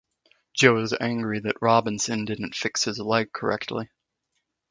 Joe is angry that Robinson didn't fix his leg correctly.